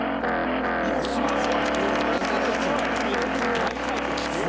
大快挙です。